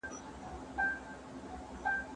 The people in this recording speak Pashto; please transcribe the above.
زده کوونکي د ستورو او سیارو په اړه لوستل کوي.